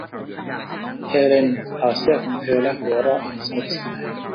เฮเลนถอดเสื้อของเธอและหัวเราะอย่างสนุกสนาน